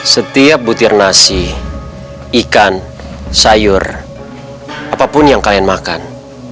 setiap butir nasi ikan sayur apapun yang kalian makan